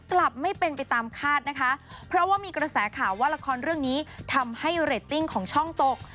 กลับไม่เป็นไปตามคาดนะคะเพราะว่ามีกระแสข่าวว่าละครเรื่องนี้ทำให้เรตติ้งของช่องตก